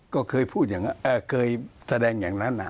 ก็เคยพูดอย่างนั้นเคยแสดงอย่างนั้น